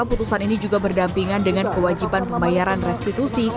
putusan ini juga berdampingan dengan kewajiban pembayaran restitusi